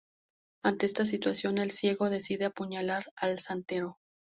Ante esta situación el Ciego decide apuñalar al Santero.